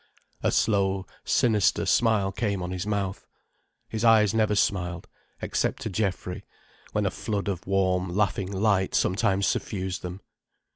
A slow, sinister smile came on his mouth. His eyes never smiled, except to Geoffrey, when a flood of warm, laughing light sometimes suffused them.